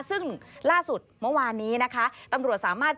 ซึ่งล่าสุดเมื่อวานนี้นะคะตำรวจสามารถ